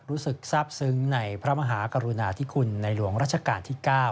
รู้สึกทราบซึ้งในพระมหากรุณาธิคุณในหลวงรัชกาลที่๙